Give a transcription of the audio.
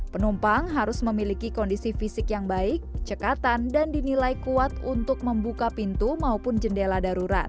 penumpang harus memiliki kondisi fisik yang baik cekatan dan dinilai kuat untuk membuka pintu maupun jendela darurat